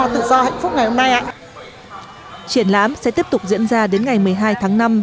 triển lãm sẽ tiếp tục diễn ra đến ngày một mươi hai tháng năm